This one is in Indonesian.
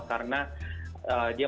karena dia mengatakan